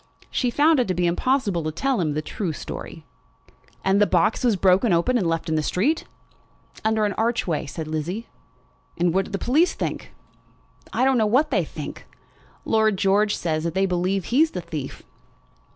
She found it to be impossible to tell him the true story. "And the box was broken open, and left in the street?" "Under an archway," said Lizzie. "And what do the police think?" "I don't know what they think. Lord George says that they believe he is the thief."